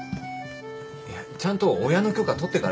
ちゃんと親の許可取ってからだ。